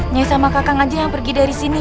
nyi sama kakak ngaji yang pergi dari sini